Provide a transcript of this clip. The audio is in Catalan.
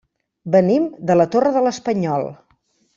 Venim de la Torre de l'Espanyol.